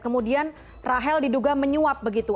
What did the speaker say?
kemudian rahel diduga menyuap begitu